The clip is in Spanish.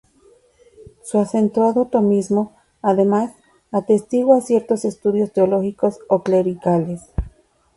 Su acentuado Tomismo, además, atestigua ciertos estudios teológicos o clericales.